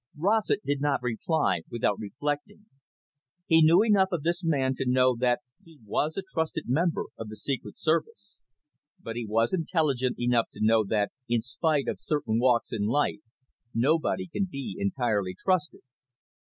Rossett did not reply without reflecting. He knew enough of this man to know that he was a trusted member of the Secret Service. But he was intelligent enough to know that, in spite of certain walks in life, nobody can be entirely trusted.